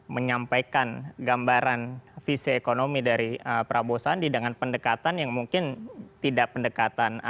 menyampaikan gambaran visi ekonomi dari prabowo sandi dengan pendekatan yang mungkin tidak pendekatan